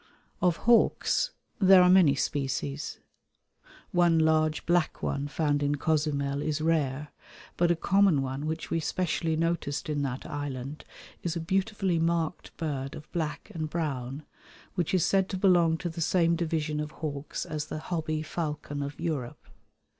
Of hawks there are many species. One large black one found in Cozumel is rare, but a common one which we specially noticed in that island is a beautifully marked bird of black and brown which is said to belong to the same division of hawks as the hobby falcon of Europe.